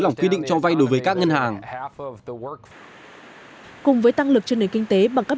lỏng quy định cho vay đối với các ngân hàng cùng với tăng lực cho nền kinh tế bằng các